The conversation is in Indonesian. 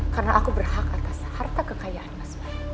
karena aku berhak atas harta kekayaan mas wai